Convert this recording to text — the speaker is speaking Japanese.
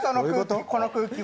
この空気は。